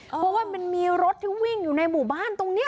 เพราะว่ามันมีรถที่วิ่งอยู่ในหมู่บ้านตรงนี้